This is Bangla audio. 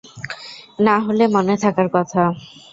না, হলে মনে থাকার কথা।